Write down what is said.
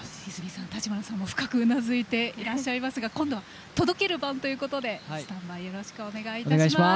橘さん、泉さんも深くうなずいていらっしゃいますが今度は届ける番ということでスタンバイよろしくお願いします。